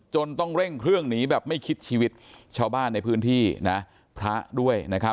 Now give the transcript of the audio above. ต้องเร่งเครื่องหนีแบบไม่คิดชีวิตชาวบ้านในพื้นที่นะพระด้วยนะครับ